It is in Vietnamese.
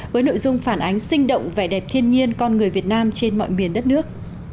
với nội dung phản ánh sinh động vẻ đẹp thiên nhiên con người việt nam trên mọi miền đất nước